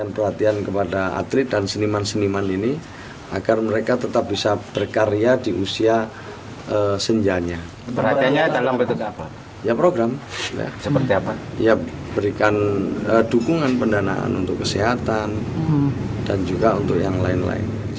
terima kasih dukungan pendanaan untuk kesehatan dan juga untuk yang lain lain